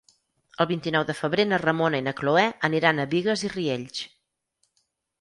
El vint-i-nou de febrer na Ramona i na Cloè aniran a Bigues i Riells.